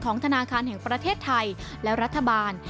ธนาคารแห่งประเทศไทยและรัฐบาล